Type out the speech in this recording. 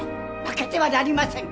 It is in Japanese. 負けてはなりません！